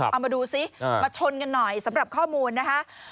เอามาดูซิมาชนกันหน่อยสำหรับข้อมูลนะคะ